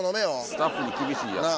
スタッフに厳しいやつか。